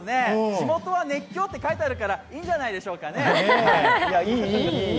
「地元は熱狂」って書いてあるからいいんじゃないでしょうかね。